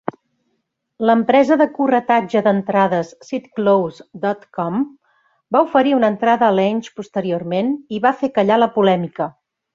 L'empresa de corretatge d'entrades "sitclose dot com" va oferir una entrada a Lange posteriorment, i va fer callar la polèmica.